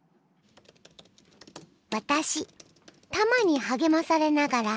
私たまに励まされながら